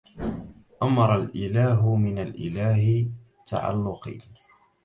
أمر الإله من الإله تعلق